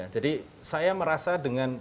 jadi saya merasa dengan